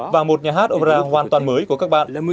và một nhà hát ora hoàn toàn mới của các bạn